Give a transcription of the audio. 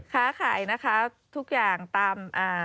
ค้าข่ายทุกอย่างตาม๒๔๖